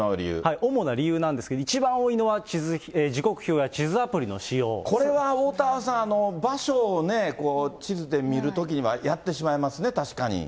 主な理由なんですけど、一番多いのは、これはおおたわさん、場所を地図で見るときには、やってしまいますね、確かに。